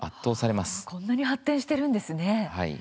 こんなに発展してるんですね。